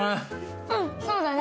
うんそうだね。